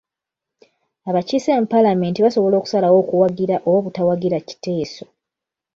Abakiise mu paalamenti basobola okusalawo okuwagira oba obutawagira kiteeso.